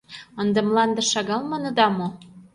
Ынде мланде шагал маныда мо?